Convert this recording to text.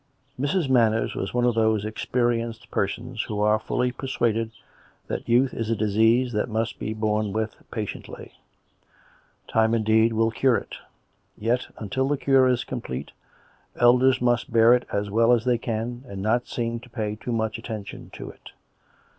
Mrs. Manners was one of those experienced persons who are fully persuaded that youth is a disease that must be borne with patiently. Time, indeed, will cure it; yet until the cure is complete, elders must bear it as well as they can and not seem to pay too much attention to it.